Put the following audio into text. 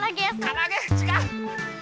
からあげ？ちがう。